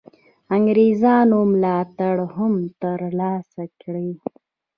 انګرېزانو ملاتړ هم تر لاسه کړي.